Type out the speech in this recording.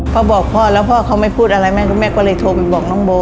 พอบอกพ่อแล้วพ่อเขาไม่พูดอะไรไม่รู้แม่ก็เลยโทรไปบอกน้องโบ